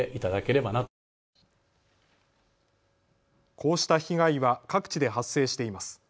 こうした被害は各地で発生しています。